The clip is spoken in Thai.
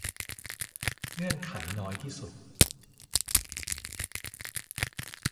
เงื่อนไขน้อยที่สุด